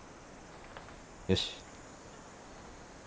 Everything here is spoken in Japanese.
よし。